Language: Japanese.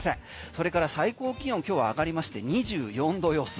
それから最高気温今日は上がりまして２４度予想。